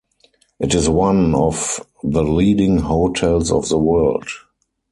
It is one of "The Leading Hotels of the World".